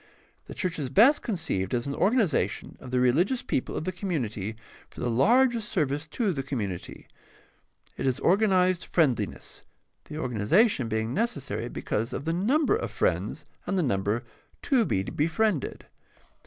The church is best conceived as an organization of the religious people of the community for the largest service to the community. It is organized friend liness, the organization being necessary because of the number of friends and the number to be befriended.